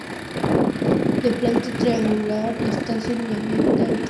De planta rectangular está semi-abierta al tráfico por el lado del convento.